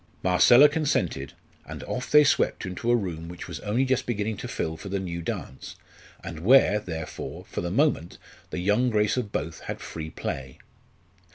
Marcella consented; and off they swept into a room which was only just beginning to fill for the new dance, and where, therefore, for the moment the young grace of both had free play.